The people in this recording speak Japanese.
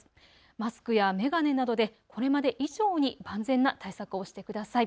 マスクや眼鏡などでこれまで以上に万全な対策をしてください。